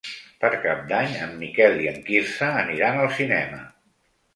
Per Cap d'Any en Miquel i en Quirze aniran al cinema.